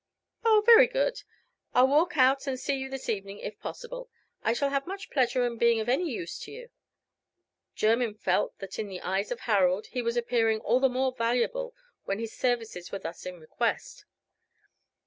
"Oh, very good. I'll walk out and see you this evening, if possible. I shall have much pleasure in being of any use to you." Jermyn felt that in the eyes of Harold he was appearing all the more valuable when his services were thus in request.